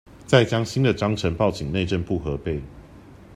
再將新的章程報請內政部核備